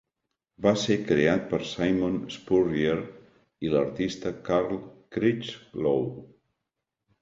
Va ser creat per Simon Spurrier i l'artista Carl Critchlow.